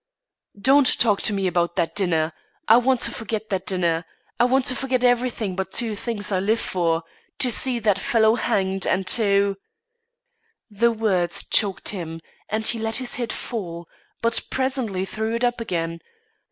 "Don't talk to me about that dinner. I want to forget that dinner. I want to forget everything but the two things I live for to see that fellow hanged, and to " The words choked him, and he let his head fall, but presently threw it up again.